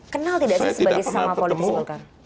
kenal tidak sih sebagai sesama politik golkar